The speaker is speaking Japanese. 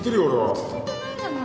落ち着いてないじゃない。